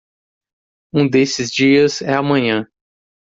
Um desses dias é amanhã.